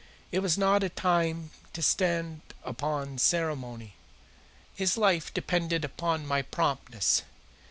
It was not a time to stand upon ceremony. His life depended upon my promptness.